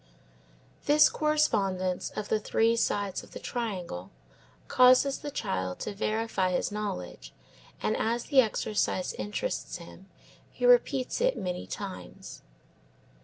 This correspondence of the three sides of the triangle causes the child to verify his knowledge and as the exercise interests him he repeats it many times.